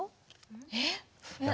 えっ？